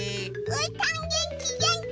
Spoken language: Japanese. うーたんげんきげんき！